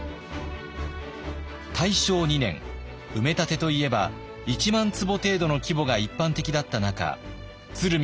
大正２年埋め立てといえば１万坪程度の規模が一般的だった中鶴見